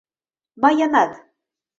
— Мыйынат!